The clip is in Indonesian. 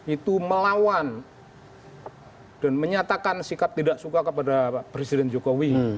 itu melawan dan menyatakan sikap tidak suka kepada presiden jokowi